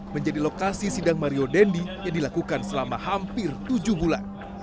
menjadi lokasi sidang mario dendi yang dilakukan selama hampir tujuh bulan